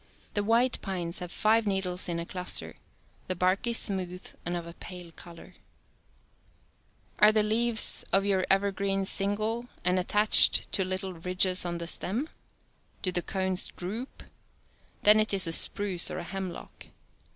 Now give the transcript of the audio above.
The white pines have five needles in a cluster. The bark is smooth and of a pale color (Fig. 7). Are the leaves of your evergreen single, and attached to little ridges on the stem ? Do the cones droop? Then it is a spruce or a hemlock.